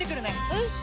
うん！